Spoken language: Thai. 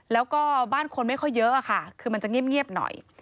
แล้วก็บ้านคนไม่ค่อยเยอะค่ะคือมันจะเงียบหน่อย